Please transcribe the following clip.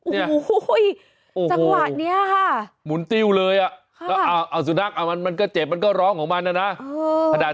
สักหวะนี้หมุนติวเลยสุนัขมันก็เจ็บมันก็ร้องของมันนะ